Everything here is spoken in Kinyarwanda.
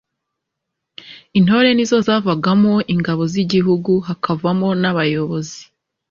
intore nizo zavagamo ingabo z'igihugu, hakavamo n'abayobozi